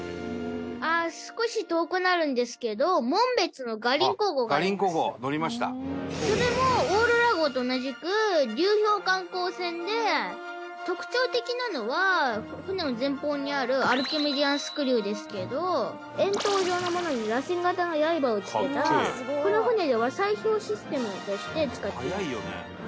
あっ少し遠くなるんですけどそれもおーろら号と同じく流氷観光船で特徴的なのは船の前方にあるアルキメディアンスクリューですけど円筒状のものにらせん型の刃を付けたこの船では砕氷システムとして使っています。